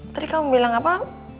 tadi kamu bilang apa